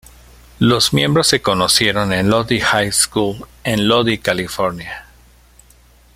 Los miembros se conocieron en Lodi High School, en Lodi, California.